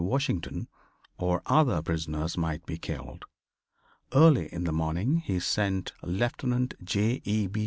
Washington or other prisoners might be killed. Early in the morning he sent Lieutenant J. E. B.